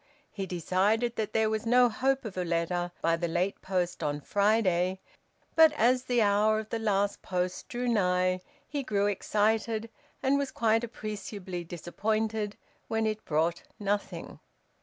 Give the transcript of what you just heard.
He decided that there was no hope of a letter by the last post on Friday, but as the hour of the last post drew nigh he grew excited, and was quite appreciably disappointed when it brought nothing.